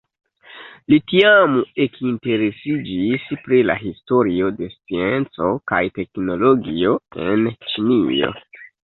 Li tiam ekinteresiĝis pri la historio de scienco kaj teknologio en Ĉinio.